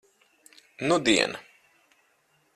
Nudien.